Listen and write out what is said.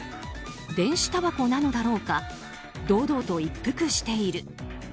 電子たばこなのだろうか堂々と一服している。